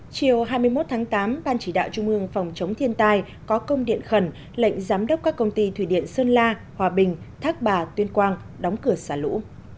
chiều hai mươi một tháng tám ban chỉ đạo trung ương phòng chống thiên tai có công điện khẩn lệnh giám đốc các công ty thủy điện sơn la hòa bình thác bà tuyên quang đóng cửa xả lũ